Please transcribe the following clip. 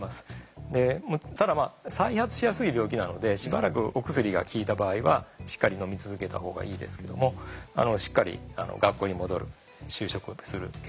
ただ再発しやすい病気なのでしばらくお薬が効いた場合はしっかりのみ続けたほうがいいですけどもしっかり学校に戻る就職する結婚する子どもをつくる。